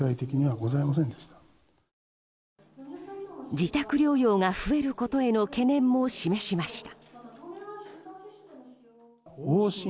自宅療養が増えることへの懸念も示しました。